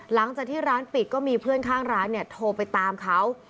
หลังจากที่ร้านปิดก็มีเพื่อนข้างร้านเนี่ยโทรไปตามเขา